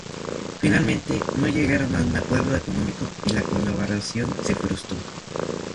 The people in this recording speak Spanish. Finalmente, no llegaron a un acuerdo económico y la colaboración se frustró.